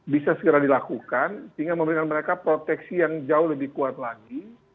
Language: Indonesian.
bisa segera dilakukan sehingga memberikan mereka proteksi yang jauh lebih kuat lagi